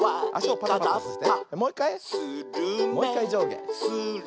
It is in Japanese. もういっかいじょうげ。